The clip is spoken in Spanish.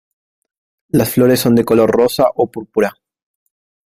Las flores son de color rosa o púrpura.